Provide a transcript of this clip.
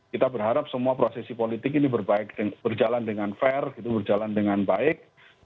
kita berharap semua prosesi politik ini berjalan dengan fair berjalan dengan baik